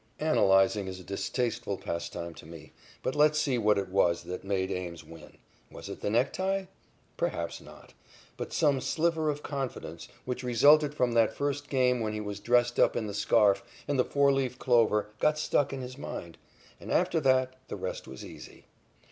Analyzing is a distasteful pastime to me, but let's see what it was that made Ames win. Was it the necktie? Perhaps not. But some sliver of confidence, which resulted from that first game when he was dressed up in the scarf and the four leaf clover, got stuck in his mind. And after that the rest was easy.